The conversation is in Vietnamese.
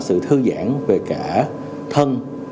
sự thư giãn về cả thân